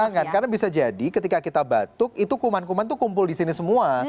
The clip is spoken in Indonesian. sangat karena bisa jadi ketika kita batuk itu kuman kuman itu kumpul di sini semua